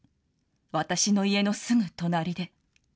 私の家のすぐ隣で。